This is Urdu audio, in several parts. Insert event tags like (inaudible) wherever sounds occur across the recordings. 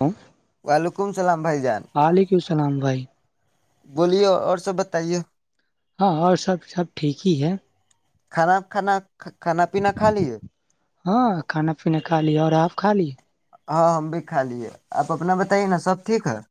ہم (inaudible) وعلیکم السلام (inaudible) بھائی جان (inaudible) اکیو سسلام بھائی (inaudible) بولیے اور سب بتائیے (inaudible) ہاں اور سب سب ٹھیک ہی ہے کھانا کھانا (inaudible) پینا کھا لیے ہاں کھانا پیینا کھا لیا اور آپ (unintelligible) خالی (inaudible) ہاں ہم بھی کھا لیے آپ اپنا بتائیے نا سب ٹھیک ہے (unintelligible)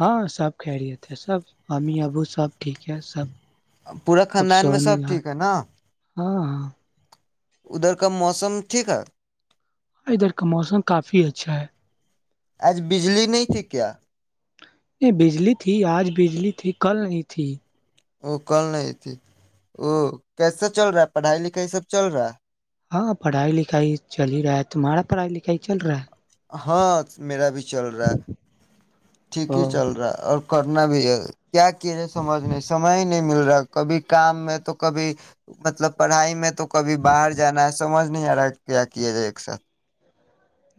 ہاں سب کہہرییے تھے سب (unintelligible) امیی ابو سب ٹھیک ہے سب (unintelligible) پورا اب خاندان میں سونے سب ٹھ گھر ہے نا (unintelligible) ہاں ہاں ادھر کا موسم ٹھیک ہے (unintelligible) ادھر کا موسم کافی اچھا ہے (unintelligible) آج بجلی نہیں تھی کیا (unintelligible) یہ بجلی تھی آج بجلی تھی کل نہیں تھی (unintelligible) ا کل نہیں تھی ا کیسا چل رہا ہے پڑھائی لکھائی سب چل رہا ہے (unintelligible) ہاں پڑھائی لکھائی چل ہی رہا ہے تمہارا پڑھائی لکھائی چل رہا ہے (unintelligible) ہاں میرا بھی چل رہا ہے ٹھیک ہے ہی او چل رہا اور ک (unintelligible) کرنا بھی ہے (unintelligible) کیا کی جائے سمجھ نہیں سمج ہی نہیں (unintelligible) مل رہا کبھی کام میں تو کبھی مطلب پڑھائی میں تو (unintelligible) کبھی باہر جانا ہے سمج نہیں رہا کیا کیا جائے ایک ساتھ (unintelligible)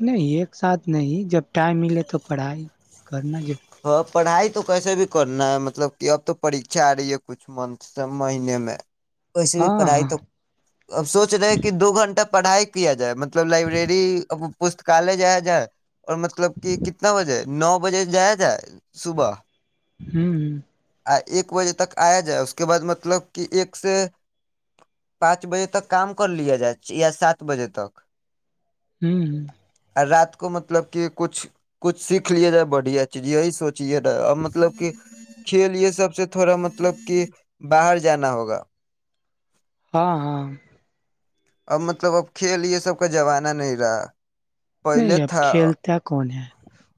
نہیں ایک ساتھ نہیں جب ٹائم ملے تو پڑھائی کرناج (unintelligible) ہاں پڑھائی تو کیسے بھی کرنا ہے مطلب کہ اب تو پریھا آ رہی ہے کچھ منتھ سے مہینے میں (unintelligible) ویسے بھی ہاں پڑھائی ہاں تو اب سوچ رہے کہ دو گھنٹہ (unintelligible) پڑھائی کیا جائے مطلب (unintelligible) مطلب لائبریری اب (unintelligible) پستکالیہ جایا جائے اور مطلب کہ کتنا بجے نو بجے جائے (unintelligible) صبح (unintelligible) ہوں ہ ایک بجے تک آیا جائے اس کے بعد مطلب کہ ایک سے پانچ بجے تک کام کر لیا جائے یا سات بجے تک (unintelligible) ہوں ہ اور رات کو مطلب کہ کچھ کچھ سیکھ لییا جائے بڑھیا چیز یہی سوچے رہا اور مطلب کہ (unintelligible) کھیل یہ سب سے تھوڑا مطلب کہ باہر جانا ہوگا (unintelligible) ہاں ہاں اب مطلب اب کھیل یہ سب کا زمانہ نہیں رہا نہیں پہلے اب تھا کھیلتا کون ہے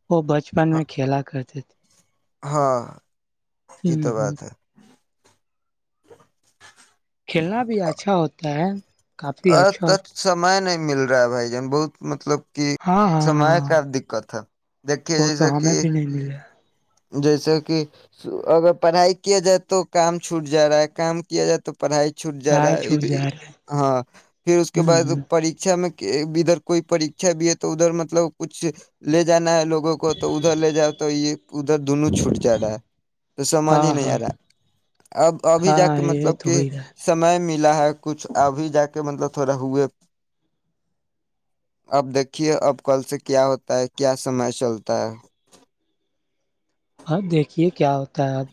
وہ بچپن میں کھیلا کرتے تھے ہاں یہ تو ہ بات ہے (unintelligible) کھیلنا بھی اچھا ہوتا ہے کافی ا اچھا تچ ہوتا۔ سمئے نہیں (unintelligible) مل رہا ہے بھائی جان بہت مطلب کہ ہاں ہاں سمے ہاں کا دقت ہے دیکھیے وہ تو جیسے کہ ہمیں بھی نہیں ملا جیسے کہ اگر پڑھائی کیا جائے تو کام چھوٹ جا رہا ہے کام کیا جائے تو (unintelligible) پڑھائی چھوٹ جا رائے رہا ہے چھوٹ جا رہے ہاں پھر اس کے بعد ہ پریھا میں کہ ادھر کوئی پرریھا بھی ہے تو ادھر مطلب کچھ لے جانا ہے لوگوں کو تو ادھر لے جا تو یہ ادھر دونوں چھوٹ جا رہا ہے تو سمج ہی ہاں نہیں ہاں آ رہا اب ابھی جا ہاں کے یہ مطلب تو کہ ہو ہی رہا ہے سم ملا ہے کچھ ابھی جا کے مطلب تھوڑا ہوئے اب دیکھیے اب کل سے کیا ہوتا ہے کیا سمے چلتا ہے ہاں دیکھیے کیا ہوتا ہے اب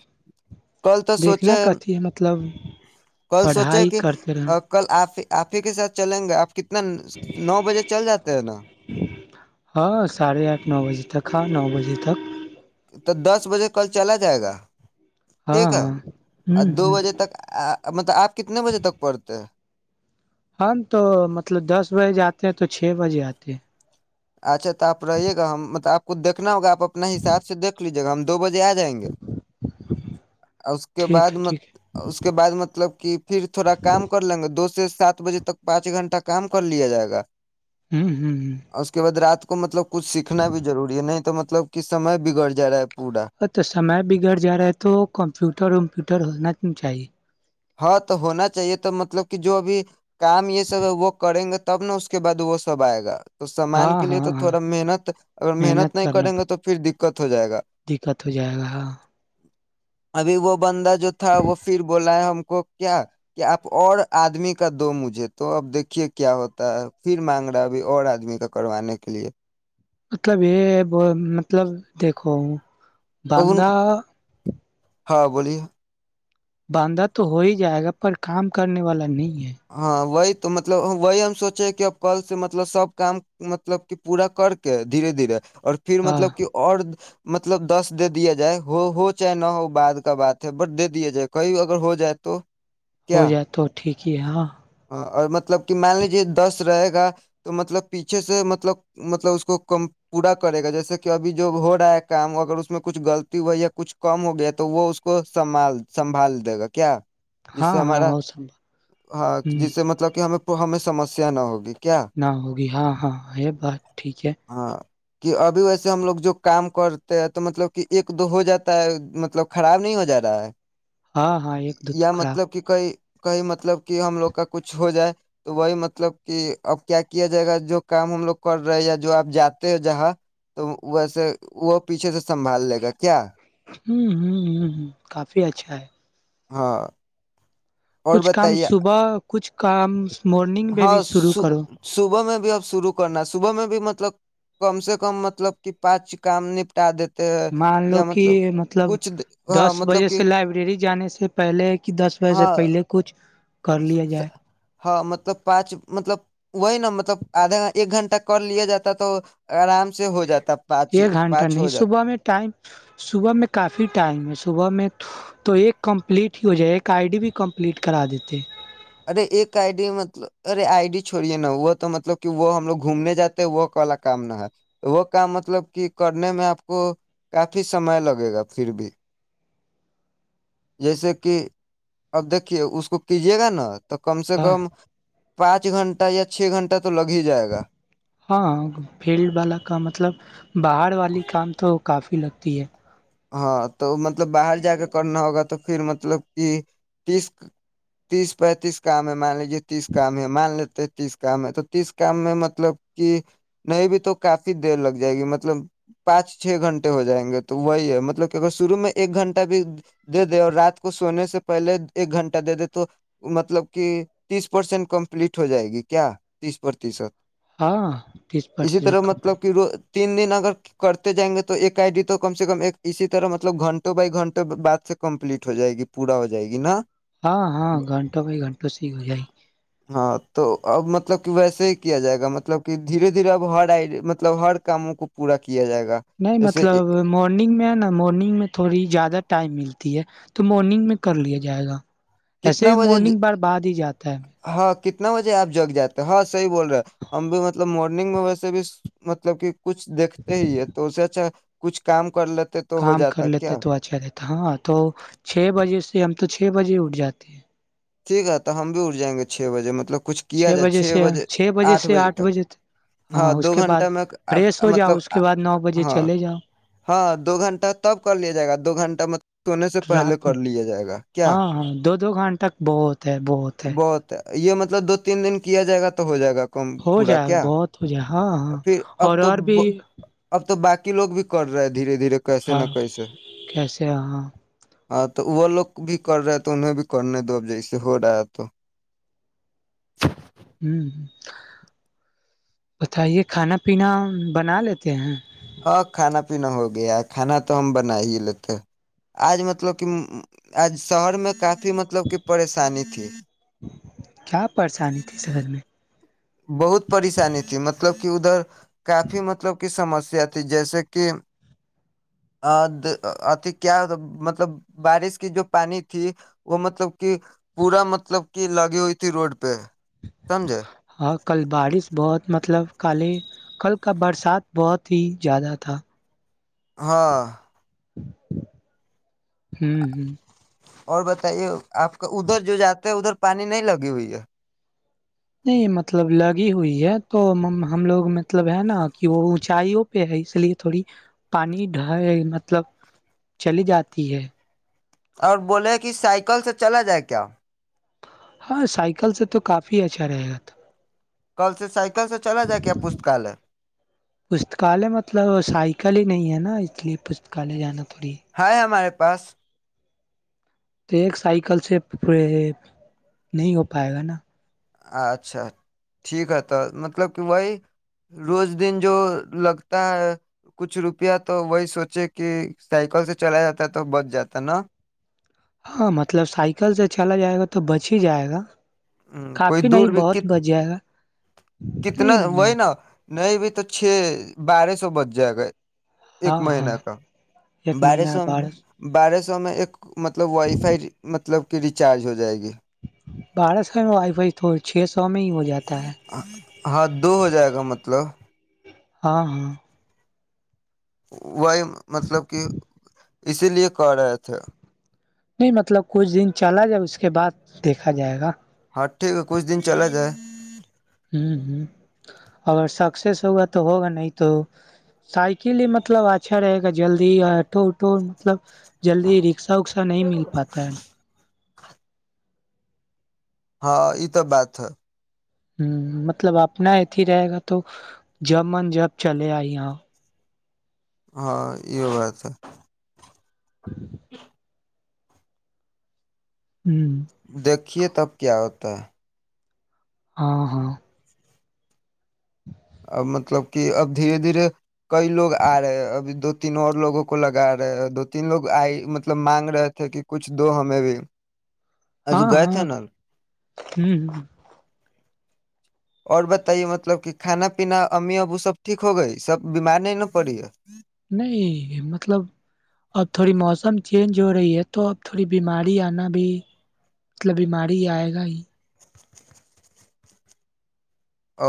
کل تو دیکھنا سوچے کہتی ہے مطلب کل سوچے پڑھائی کہ کرتے رہے کل آپ (unintelligible) آپ ہی کے ساتھ چلیں گے آپ کتنا نو بجے چل جاتے ہے نا ہاں ساڑھے آٹھ نو بجے تک ہاں نو بجے تک تو دس بجے کل چلا جائے گا ٹھیک ہاں ہے ہاں اور ہ دو ہ بجے تک مطلب آپ کتنے بجے تک پڑھتے ہیں ہم تو مطلب دس بجے جاتے ہیں تو چھ بجے آتے ہیں اچھا تو آپ رہیے گا ہم مطب آپ کچ دیکھنا ہوگا اپنا حساب سے دیک لیجیے گا ہم دو بجے آ جائیں گے اس کے ٹھیک بعد ہے ٹھیک اس کے بعد مطلب کہ پھر تھوڑا کام کر لیں گے دو سے سات بجے تک پانچ گھنٹہ کام کر لیا جائے گا ہوں ہوں ہ اور اس کے بعد رات کو مطلب کچھ سیکھنا بھی ضوری ہے نہیں تو م مطلب کہ سم بگڑ جائے رہا پورا ا تو سمے بگڑ جا رہا ہے تو کمپیوٹر ومپیوٹر ہونا چاہیے ہاں تو ہونا چاہیے تو مطلب کہ جو ابھی کام یہ سب وہ کریں گے تب نہ اس کے بعد وہ سب آئے گا تو سامان ہاں کے لیے ہاں تو ہاں تھوڑا محنت اگر محنت نہیں کریں گے تو پھر د ت ہو جائے گا دقت ہو جائے گا ہاں ابھی وہ بندہ جو تھا وہ پھر بولا ہے ہم کو کیا کہ آپ اور آدمی کا دو مجھے تو اب دیکھیے کیا ہوتا ہے پھر مانگ رہا ابھی اور آدمی کا کروانے کے لیے مطلب یہ ہے مطلب دیکھو ہ اب ان بدہ کو ہاں بولیے بانھا تو ہو ہی جائے گا پر کام کرنے والا نہیں ہے ہاں وہی تو مطلب وہی ہم سوچے کہ اب کل سے مطلب سب کام مطلب کہ پورا کر کے دھیرے دھیرے اور پھر ہاں مطلب کہ اور مطلب دس دے دیا جائے ہو ہو چاہے نہ ہو بعد کا بات ہے بٹ دے دیا جائے کہئی اگر ہو جائے تو ہو کیا جائے تو ٹھیک کیا ہاں اور مطلب کہ مان لیجیے دس رہے گا تو مطلب پیچھے سے مطلب مطلب اس کو کم پورا کرے گا جیسے کہ ابھی جو ہو رہا ہے کام اگر اس میں کچھ غلطی ہوئی یا کچھ کم ہو گیا تو وہ اس کو سنبھال سنبھال دے گا کیا جس ہاں سے ہاں ہمارا ہو سب ہاں ہ جس سے مطلب کہ ہمیں تو ہمیں سمسیا نہ ہوگی کیا نہ ہوگی ہاں ہاں ہے بات ٹھیک ہے ہاں کہ ابھی ویسے ہم لوگ جو کام کرتے ہیں تو مطلب کہ ایک دو ہو جاتا ہے مطلب خراب نہیں ہو جا رہا ہے ہاں ہاں ایک دو تو یا خراب مطلب کہ کوئی کہئی مطلب کہ ہم لوگ کا کچھ ہو جائے تو وہی مطلب کہ اب کیا کیا جائے گا جو کام ہم لوگ کر رہے ہیں یا جو آپ جاتے ہو جہاں تو ویس وہ پیچھے سے سنبھال لے گا کیا ہوں ہ ہ ہ کافی اچھا ہے ہاں اور کچھ کام بتائیے صبح کچھ کام مارننگ میں ہاں بھی شروع کرو صبح میں اب شروع کرنا صبح میں بھی مطلب کم سے کم مطلب کہ پانچ کام نپٹا دیتے ہیں مان لو یا کہ مطلب مطلب کچھ ہاں دس مطلب بجے کہ سے لائبریری جانے سے پہلے کہ دس بجے سے ہاں پہلے کچھ کر لیا جائے ہاں مت ب پانچ مطلب وہی نا مطلب آدھا ایک گھنٹہ کر لیا جاتا تو آرام سے ہو جاتا پانچ ایک گھنٹہ پانچ نہیں ہو جاتا صبح میں ٹائم صبح میں کافی ٹائم ہے صبح میں تو ایک کمپلیٹ ہی ہو جائے ایک آئی ڈی بھی کمپلیٹ کرا دیتے ارے ایک آئی ڈی مطلب ارے آئی ڈی چھوڑیے نا وہ تو مطلب کہ وہ ہم لوگ گھومنے جاتے وہ والا کام نہ ہے وہ کام مطلب کہ کرنے میں آپ کو کافی سمئے لگے گا پھر بھی جیسے کہ اب دیکھیے اس کو کیجیے گا نا تو کم سے ہاں کم پانچ گنٹہ یا چھ گھنٹہ تو لگ ہی جائے گا ہاں فیلڈ والا کام مطلب باہر والی کام تو کافی لگتی ہے (unintelligible) ہاں تو مط مطلب باہر جا کے کرنا ہوگا تو پھر مطلب کہ تیس تیس پینتیس کام ہے مان لیجے تیس کام ہے مان لیتے تیس کام ہے تو تیس کام میں مطلب کہ نہیں بھی تو کافی دیر لگ جائے گی مطلب پانچ چھ گھنٹے ہو جائیں گے تو وہی ہے (unintelligible) مطلب کہ اگر شروع میں ایک گھنٹہ بھی دے دے اور رات کو سونے سے پہلے ایک گھنٹہ دے دے تو مطلب کہ تیس پرسینٹ کمپلیٹ ہو جائے گی کیا تیس پرتیشت ہاں تیس پرس اسی طرح کمپنی مطلب کہ رو تین دن اگر کرتے جائیں گے تو ایک آئی ڈی تو کم سے کم ایک (unintelligible) اسی طرح مطلب گھنٹوں بائی گھنٹے بد سے کمپلیٹ ہو جائے گی پورا ہو جائے گی نا ہاں ہاں گھنٹوں بائی گھنٹوں سےی ہو جائی ہاں تو اب مطلب کہ ویسے ہی کیا جائے گا مطلب کہ دھیرے دھیرے اب ہر آئی مطلب ہر کاموں کو پورا کیا جائے گا نہیں جیسے مطلب مارننگ میں ہے نا مارننگ میں تھوڑی زیادہ ٹائم ملتی ہے تو مارنگ میں کر لیا جائے گ (unintelligible) ایسے کتنا بھی بجے ج- مارننگ بار بعد ہی جاتا ہے ہاں کتنا بجے آپ جگ جے ہاں صحیح بول رہے ہیں ہم بھی مطلب مورننگ میں ویسے بھی مطلب کہ کچھ دیکھتے ہی ہے تو اس سے اچھا (unintelligible) کچھ کا (unintelligible) کام کر لیتے تو اچھا رہتا ہاں تو چھ بجے سے ہم تو چھ بجےٹ جاتی ہیں (unintelligible) ٹھیک ہے تو ہم بھی اٹ جائیں گے چھ بجے مطلب کچھ کیا جائے چھ بجے آٹھ بجے تک ہاں اس دو کے بعد گھنٹہ میں فریش ہو جاؤ مطلب اس کے بعد نو بجے ہاں چلے جاؤ ہاں دو گھنٹہ تب کر لیا جائے گا دو گھنٹہ سونے سے پہلے رات کر میں لیا جائے گا کیا (unintelligible) ہاں ہاں دو دو گھنٹہ بہت ہے بہت ہے (unintelligible) یہ مطلب دو تین دن کیا جائے گا تو ہو جائے گا (unintelligible) ہو پورا جائے گا کیا بہت ہو جائے گ ہاں ہاں پھر اور اب تو اور بھی ب- اب تو باقی لوگ بھی کر رہے ہیں (unintelligible) دھیرے دھیرے کیسے نہ ہاں کیسے کیسے ہاں (unintelligible) ہاں تو وہ لوگ بھی کر رہے ہیں تو انہیں بھی (unintelligible) کرنے دو اب ج سے ہو رہایا تو (unintelligible) ہ بتائیے کھانا پینا بنا لیتے ہیں (unintelligible) ہاں کھانا پینا ہو گیا ہے کھانا تو ہم بنا ہی لیتے آج مطلب کہ آج شہر میں کافی مطلب کہ پریشانی تھی کیا پریشانی تھی شہر میں بہت پریشانی تھی مطلب (unintelligible) کہ ادھر کافی مطلب کی سمسیا تھی جیسے کہ (unintelligible) ا اتی کیا مطلب بارش کی جو پانی تھی وہ مطلب کہ پورا مطلب کہ لگی ہوئی تھی روڈ پہ سمجھے ہاں کل بارش بہت (unintelligible) مطلب کالے کل کا برسات بہت ہی زیادہ تھا (unintelligible) ہاں ہوں ہوں (unintelligible) اور بتائیے آپ کا ادھر جو جاتے ہیں ادھر (unintelligible) پانی نہیں لگی ہوئی ہے (unintelligible) نہیں مطلب لگی ہوئی ہے تو ہم لوگ مطلب ہے نا کہ وہ اونچائیوں پہ ہے اس لیے تھوڑی پانی ڈھ مطلب چلی جاتی ہے اور بولے کہ سائیکل سے چلا جائے کیا ہاں سائیکل سے تو کافی اچھا رہے گا تو کل سے سائیکل سے چلا جائے کیا پستکالیہ پستکالیہ مطلب سائیکل ہی نہیں ہے نا (unintelligible) اس لیے پستکالیہ جانا کو ہاں م (unintelligible) پس (unintelligible) تو ایک سائیکل سے پ نہیں ہو پائے گا نا اچھا ٹھیک ہے تو مطلب کہ وہی روز دن جو لگتا ہے کچھ روپیہ تو وہی سوچے کہ سائیکل سے چلا جاتا ہے تو بچ جاتا نا (unintelligible) ہاں مطلب سائیکل سے چلا جائے گا تو بچ ہی جائے گا کوئی کافی دور نہیں بھی بہت بجیا گا کتنا نہیں وہی نا نہیں بھائی تو چھ بارہ سو بچ جائے گا ایک ہاں مہینہ ہاں کا ایک بارہ مہینہ سو میں بارہ سو اس میں ایک مطلب وائی فائیب مطلب کہ ریچارج ہو جائے گی بارہ سو میں وائی فائی تو چھ سو میں ہی ہو جاتا ہے ہاں دو ہو جائے گا مطلب ہاں ہاں وہی مطلب کہ اسی لیے کر رہے تھے نہیں مطلب کچھ دن چلا جائے اس کے بعد دیکھا جائے گا ہاں ٹھیک ہے کچھ دن چلا جائے ہ ہ اگر سکسیس ہوگا تو ہوگا نہیں تو سائیکل ہی مطلب اچھا رہے گا جلدی آٹو اٹو مطلب جلدی رکشا وکسا نہیں مل پاتا ہے ہاں یہ تو بات ہے ہوں مطلب آپ نہ ات ہی رہے گا تو جب من جب چلے آ یہاں ہاں یہ بات ہے ہ دیکھیے تب کیا ہوتا کتا ہاں ہاں اب مطلب کہ اب دھیرے دھیرے کئی لوگ آ رہے ابھی دو تین اور لوگوں کو لگا رہے دو تین لوگ آئی مطلب مانگ رہے تھے کہ کچھ دو ہمیں بھی اج گئے تھ ہیں ن ہوں ہ اور بتائیے مطلب کہ کھانا پین امیمی ابو سب ٹھیک ہو گئی سب بیمار نہیں ن پڑی ہے نہیں مطلب اب تھوڑی موسم چینج ہو رہی ہے تو اب تھوڑی بیماری آنا بھی مطلب بیماری آئے گا ہی ہ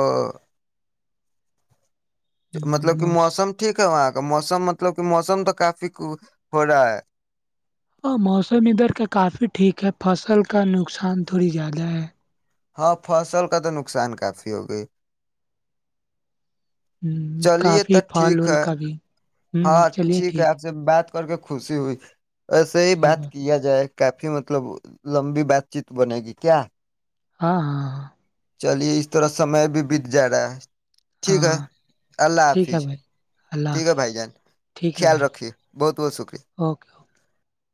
مطلب کہ موسم ٹھیک ہے وہاں کا موسم مطلب کہ موسم تو کافی ہو رہا ہے ہاں موسم ادھر کا کافی ٹھیک ہے فصل کا نقصان تھوڑی زیادہ ہے ہاں فصل کا تو نقصان کافی ہو گئی ہ چلیے کافی تو پھال ٹھیک ول ہے کا بھی ہوں ہاں چلیے ہے ٹھیک آپ سے بات کر کے خوشی ہوئی ایسے آپ ہی صحیح بات کیا جائے کافی مطلب لمبی بات چیت بنے گی کیا ہاں ہاں ہاں چلیے اس طرح سے بھی بیت جائے رہا ہے ٹھیک ہے ہاں اللہ ٹھیک حافظ ہے بھائی اللہ ٹھیک ہے حافظ بھائی جان ٹھیک ہے خیال بھائی رکھیے بہت بہت شکریہ اوکے اوکے